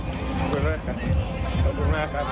ขอบคุณมากขอบคุณมาก